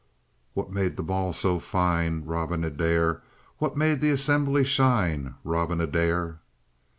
What made the ball so fine? Robin Adair! What made the assembly shine? Robin Adair!